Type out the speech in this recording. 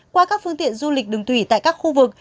qua các phương tiện du lịch đường thủy tại các khu vực